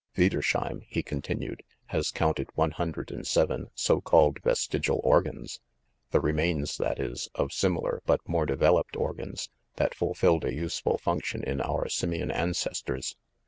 "Wiedersheim," he continued, "has counted one hundred and seven so called Vestigial organs'; the remains, that is, of similar but more developed organs that fulfilled a useful function in our simian ancestors.